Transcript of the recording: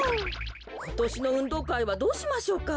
ことしのうんどうかいはどうしましょうか？